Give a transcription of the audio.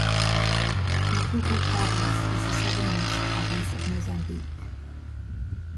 Maputo Province is the southernmost province of Mozambique.